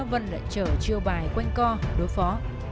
vân lại chở chiêu bài quanh co đối phó